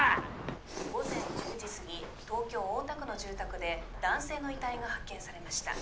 午前１０時過ぎ東京大田区の住宅で男性の遺体が発見されました